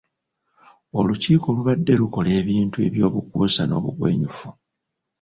Olukiiko lubadde lukola ebintu eby’obukuusa n’obugwenyufu.